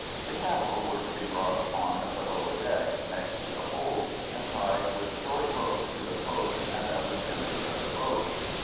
The cattle were to be brought upon the lower deck, next to the hold, and tied with short ropes to the posts and other timbers of the boat.